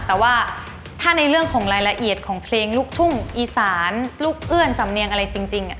แต่ว่าถ้าในเรื่องของรายละเอียดของเพลงลูกทุ่งอีสานลูกเอื้อนสำเนียงอะไรจริง